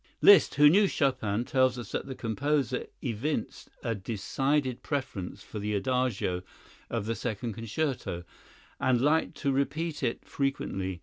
Liszt, who knew Chopin, tells us that the composer evinced a decided preference for the Adagio of the second concerto and liked to repeat it frequently.